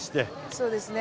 そうですね。